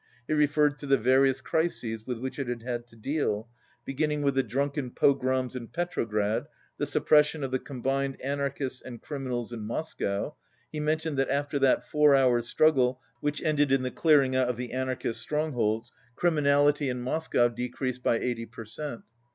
He referred to the various crises with which it had had to deal, beginning with the drunken pogroms in Petrograd, the suppression of the combined anarchists and criminals in Moscow (he mentioned that after that four hours' struggle which ended in the clearing out of the anarchists' strongholds, criminality in no Moscow decreased by 80 per cent.)